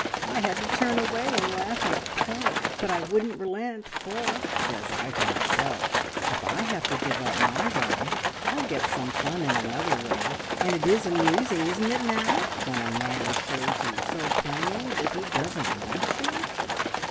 I had to turn away and laugh in a corner, but I wouldn't relent, for, says I to myself, if I have to give up my run, I'll get some fun another way and it is amusing, isn't it now, when a man shows you so plainly that he doesn't want you?"